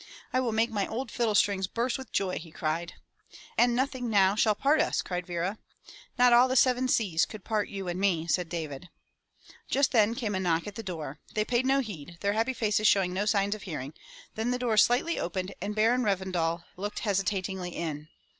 l "I will make my old fiddle strings burst with| joy!" he cried. "And nothing now shall part us!" cried Vera. "Not all the Seven Seas could part you and me!" said David, Just then came a knock at the door. They paid no heed, their happy faces showing no signs of hearing; then the door slightly opened and Baron Revendal looked hesitatingly in.